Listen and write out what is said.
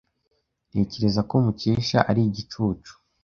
Ntekereza ko Mukesha ari igicucu.